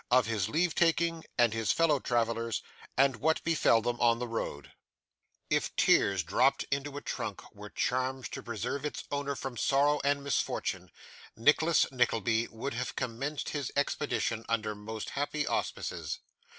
Of his Leave taking and his Fellow Travellers, and what befell them on the Road If tears dropped into a trunk were charms to preserve its owner from sorrow and misfortune, Nicholas Nickleby would have commenced his expedition under most happy auspices.